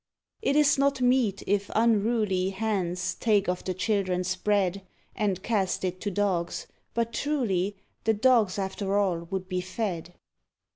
It is not meet if unruly Hands take of the children's bread And cast it to dogs; but truly The dogs after all would be fed.